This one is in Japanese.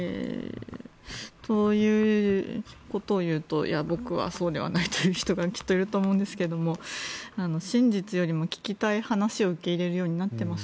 ということを言うと僕はそうではないという人がきっといると思うんですが真実よりも聞きたい話を受け入れるようになっています。